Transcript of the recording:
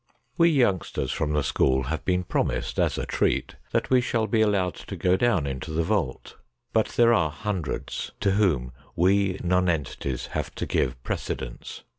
We youngsters from the school have been promised, as a treat, that we sball be allowed to go down into the vault, but there are hundreds to whom we nonentities have to give prece dence.